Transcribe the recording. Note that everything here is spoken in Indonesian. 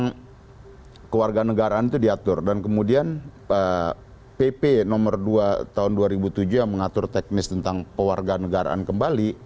karena keluarga negaraan itu diatur dan kemudian pp nomor dua tahun dua ribu tujuh yang mengatur teknis tentang pewarga negaraan kembali